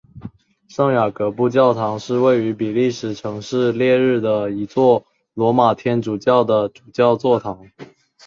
圣雅各布教堂是位于比利时城市列日的一座罗马天主教的主教座堂。